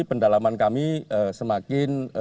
pendalaman kami semakin